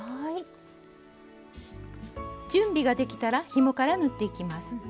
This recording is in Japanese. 準備ができたらひもから縫っていきます。